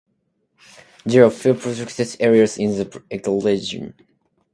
There are few protected areas in the ecoregion.